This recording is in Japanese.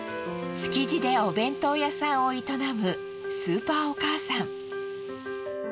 築地でお弁当屋さんを営むスーパーお母さん。